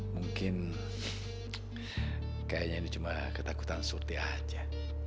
mungkin kayaknya ini cuma ketakutan sutih aja